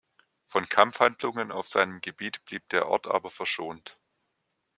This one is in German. Von Kampfhandlungen auf seinem Gebiet blieb der Ort aber verschont.